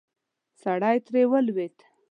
سړی ترې ولوېد.